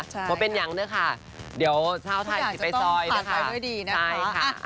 เพราะเป็นอย่างนี้ค่ะเดี๋ยวชาวไทยสิไปซอยนะคะใช่ค่ะ